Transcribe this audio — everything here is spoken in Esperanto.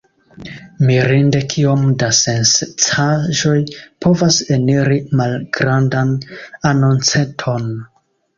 Mirinde kiom da sensencaĵoj povas eniri malgrandan anonceton.